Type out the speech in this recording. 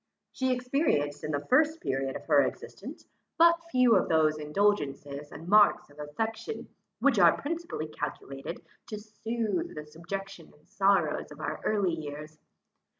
She experienced in the first period of her existence, but few of those indulgences and marks of affection, which are principally calculated to sooth the subjection and sorrows of our early years.